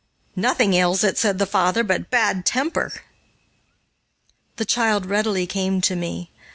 "Nothing ails it," said the father, "but bad temper." The child readily came to me.